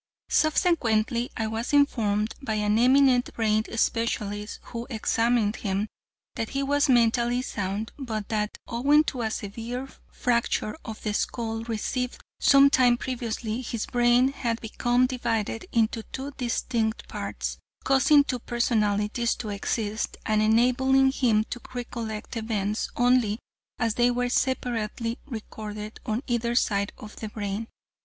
"'Subsequently, I was informed by an eminent brain specialist, who examined him, that he was mentally sound, but that owing to a severe fracture of the skull received some time previously his brain had become divided into two distinct parts, causing two personalities to exist and enabling him to recollect events only as they were separately recorded on either side of the brain.